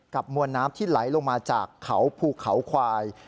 มวลน้ำที่ไหลลงมาจากเขาภูเขาควาย